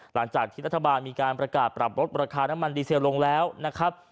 หลังจากที่รัฐบาลมีการประกาศปรับลดราคาน้ำมันดีเซลลงแล้วนะครับ